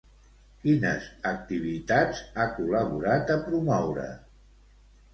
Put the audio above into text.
Quines activitats ha col·laborat a promoure?